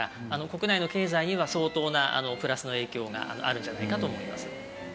国内の経済には相当なプラスの影響があるんじゃないかと思います。